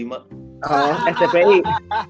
itu nomor orang leh